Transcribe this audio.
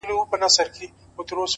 زوکام يم”